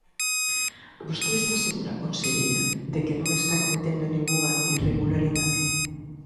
¿Vostede está segura, conselleira, de que non está cometendo ningunha irregularidade?